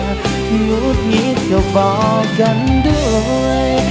หลุดหยิบก็บอกกันด้วย